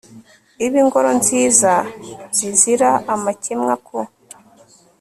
ibe ingoro nziza zizira amakemwa, ku